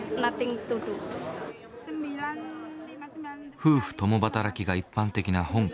夫婦共働きが一般的な香港。